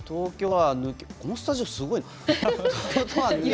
このスタジオ、すごいな。